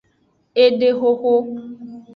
Edexoxo.